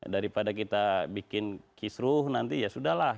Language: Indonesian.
daripada kita bikin kisruh nanti ya sudah lah